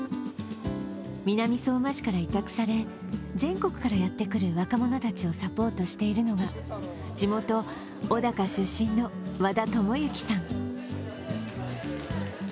南相馬市から委託され、全国からやってくる若者たちをサポートしているのが地元・小高出身の和田智行さん。